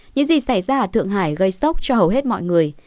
những gì xảy ra ở thượng hải gây sốc cho hầu hết mọi người